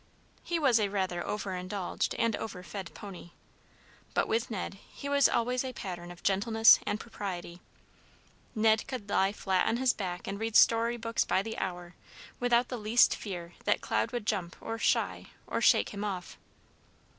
He was a rather over indulged and overfed pony; but with Ned, he was always a pattern of gentleness and propriety. Ned could lie flat on his back and read story books by the hour without the least fear that Cloud would jump or shy or shake him off.